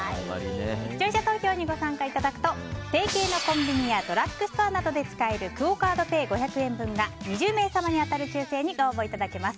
視聴者投票にご参加いただくと提携のコンビニやドラッグストアなどで使えるクオ・カードペイ５００円分が２０名様に当たる抽選にご応募いただけます。